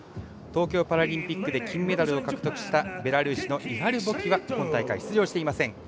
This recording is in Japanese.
東京パラリンピックで金メダルを獲得したベラルーシのイハルボキは今大会出場していません。